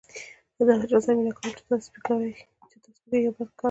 د هغه چا سره مینه کول چې تا سپکوي یو بد کار دی.